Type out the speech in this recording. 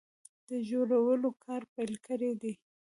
د جوړولو کار پیل کړی دی